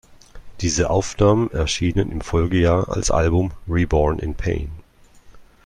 Diese Aufnahmen erschienen im Folgejahr als Album "Reborn in Pain".